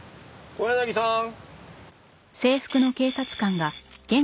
小柳さん？